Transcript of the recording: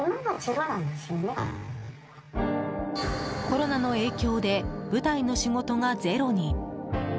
コロナの影響で舞台の仕事がゼロに。